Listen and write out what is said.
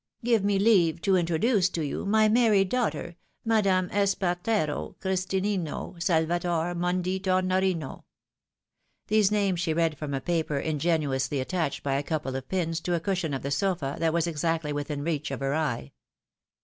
Give me leave to introduce to you my married daughter, Madame Espartero Christinino Salvator Mundi Tornorino." These names she read from a paper ingeniously attached by a couple of pins to a cushion of the sofa that was exactly within reach of her eye.